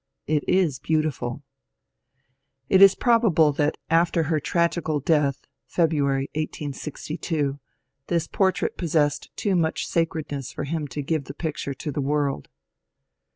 It is beautif td. It is probable that after her tragical death, February, 1862, this portrait possessed too much sacredness for him to give the picture to the world.